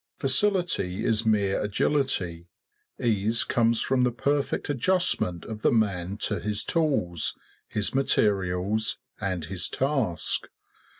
Facility is mere agility; ease comes from the perfect adjustment of the man to his tools, his materials, and his task.